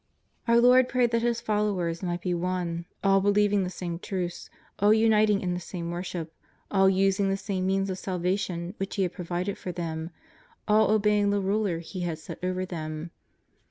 Our Lord prayed that His followers might be one, all believing the same truths, all uniting in the same worship, all using the same means of salvation which He had provided for them, all obeying the ruler He had set over them.